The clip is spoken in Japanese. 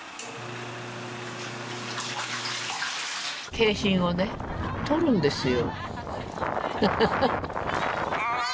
景品をね取るんですよ。